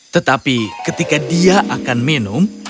tetapi ketika dia akan minum